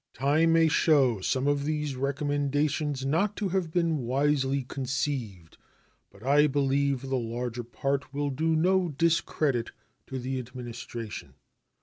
Time may show some of these recommendations not to have been wisely conceived, but I believe the larger part will do no discredit to the Administration.